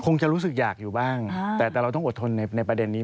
คงจะรู้สึกอยากอยู่บ้างแต่เราต้องอดทนในประเด็นนี้